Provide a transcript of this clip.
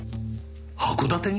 函館に？